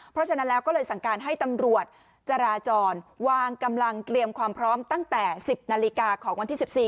เพราะฉะนั้นแล้วก็เลยสั่งการให้ตำรวจจราจรวางกำลังเตรียมความพร้อมตั้งแต่๑๐นาฬิกาของวันที่๑๔